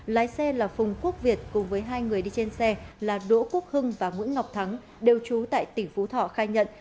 lái xe là phùng quốc việt cùng với hai người đi trên xe là đỗ quốc hưng và nguyễn ngọc thắng đều trú tại tỉnh phú thọ khai nhận